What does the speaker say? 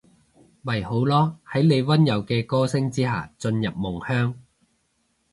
咪好囉，喺你溫柔嘅歌聲之下進入夢鄉